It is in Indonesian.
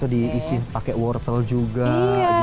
atau diisi pakai wortel juga gitu kan